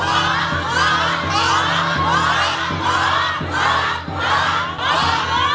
ครับ